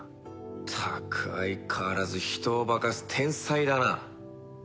ったく相変わらず人を化かす天才だな。